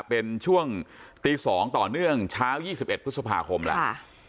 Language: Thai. เป็นช่วงตี๒ต่อเนื่องเช้า๒๑พฤษภาคมแล้ว